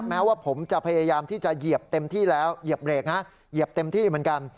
แม้ว่าผมจะพยายามที่จะเหยียบเต็มที่แล้วเหยียบเบรกนะเหยียบเต็มที่เหมือนกัน